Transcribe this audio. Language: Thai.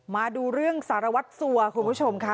มาดูเรื่องสารวัตรสัวคุณผู้ชมค่ะ